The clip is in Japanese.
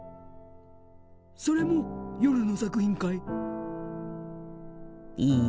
それも夜の作品かい？